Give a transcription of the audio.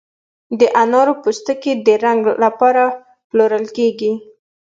د انارو پوستکي د رنګ لپاره پلورل کیږي؟